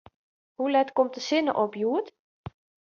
Hoe let komt de sinne op hjoed?